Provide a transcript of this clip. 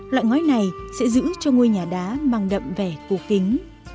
loại ngói này sẽ giữ cho ngôi nhà đá mang đậm vẻ cổ kính